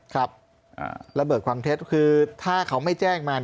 ครับระเบิดความเท็จคือถ้าเขาไม่แจ้งมา